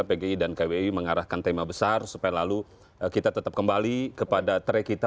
pgi dan kwi mengarahkan tema besar supaya lalu kita tetap kembali kepada track kita